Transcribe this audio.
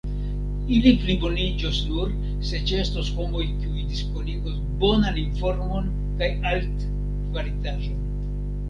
Ili pliboniĝos nur, se ĉeestos homoj kiuj diskonigos bonan informon kaj altkvalitaĵon.